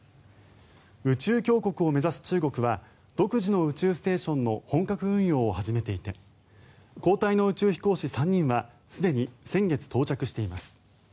宇宙強国を目指す中国は独自の宇宙ステーションの本格運用を始めていて交代の宇宙飛行士３人はすでに先月到着しています。